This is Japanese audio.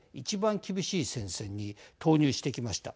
厳しい戦線に投入してきました。